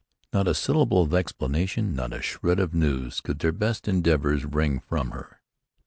Not a syllable of explanation, not a shred of news could their best endeavors wring from her.